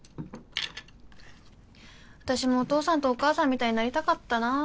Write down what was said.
私もお父さんとお母さんみたいになりたかったな。